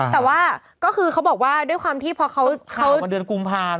แต่ว่าก็คือเขาบอกว่าเพราะว่าเสามาเดือนกุมภา